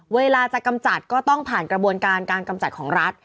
เวลาจะกำจัดก็ต้องผ่านกระบวนการการกำจัดของรัฐ